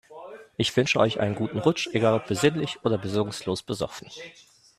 Ich wünsche euch einen guten Rutsch, egal ob besinnlich oder besinnungslos besoffen.